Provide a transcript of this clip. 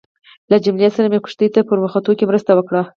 له جميله سره مې کښتۍ ته په ورختو کې مرسته وکړه.